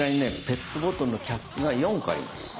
ペットボトルのキャップが４個あります。